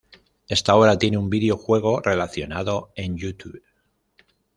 Esta Obra tiene un video juego relacionado en Youtube